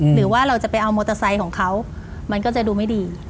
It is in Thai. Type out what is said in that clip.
หรือว่าเราจะไปเอามอเตอร์ไซค์ของเขามันก็จะดูไม่ดี